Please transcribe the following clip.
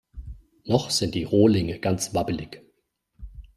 Noch sind die Rohlinge ganz wabbelig.